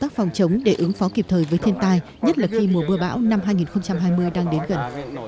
tác phòng chống để ứng phó kịp thời với thiên tai nhất là khi mùa bưa bão năm hai nghìn hai mươi đang đến gần